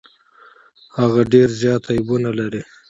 هغه ډیر زيات عيبونه لري.